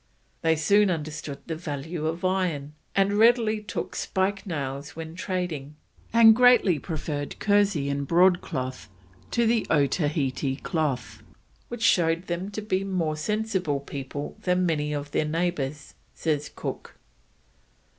They soon understood the value of iron, and readily took spike nails when trading, and greatly preferred "Kersey and Broadcloth to the Otaheite cloth, which show'd them to be a more sensible people than many of their neighbours," says Cook.